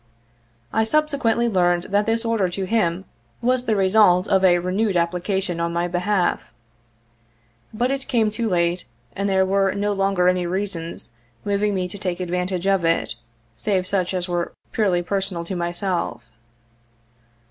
I subsequently learned that this order to him was the result of a renewed application on my behalf. But it came too late, and there were no longer any reasons moving me to take advantage of it, save such as were purely personal to myself.